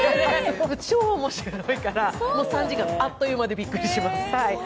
超面白いから３時間あっという間でびっくりします。